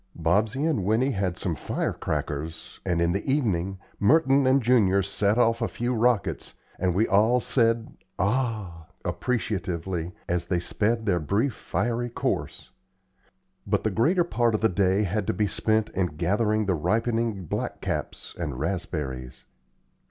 Bobsey and Winnie had some firecrackers, and, in the evening, Merton and Junior set off a few rockets, and we all said, "Ah!" appreciatively, as they sped their brief fiery course; but the greater part of the day had to be spent in gathering the ripening black caps and raspberries.